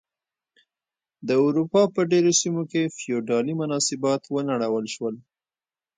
د اروپا په ډېرو سیمو کې فیوډالي مناسبات ونړول شول.